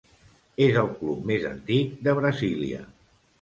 És el club més antic de Brasília.